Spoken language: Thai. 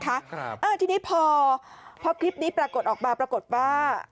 ครับอ่าทีนี้พอพอคลิปนี้ปรากฏออกมาปรากฏว่า